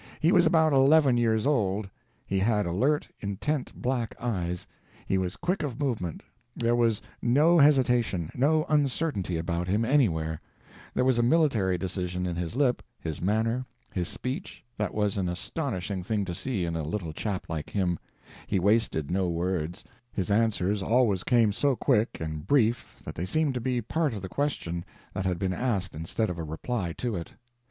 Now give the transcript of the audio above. He was about eleven years old; he had alert, intent black eyes; he was quick of movement; there was no hesitation, no uncertainty about him anywhere; there was a military decision in his lip, his manner, his speech, that was an astonishing thing to see in a little chap like him; he wasted no words; his answers always came so quick and brief that they seemed to be part of the question that had been asked instead of a reply to it.